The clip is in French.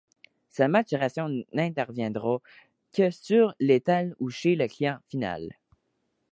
Sa maturation n'interviendra que sur l'étal ou chez le client final.